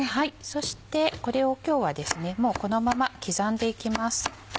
そしてこれを今日はもうこのまま刻んでいきます。